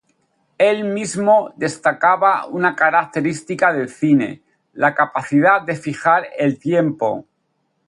Él mismo destacaba una característica del cine: la capacidad de fijar el tiempo.